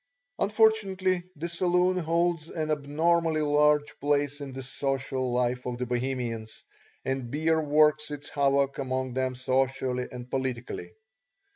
Unfortunately the saloon holds an abnormally large place in the social life of the Bohemians, and beer works its havoc among them socially and politically.